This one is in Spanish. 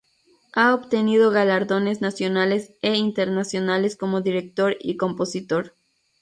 Ha obtenido galardones nacionales e internacionales como director y compositor.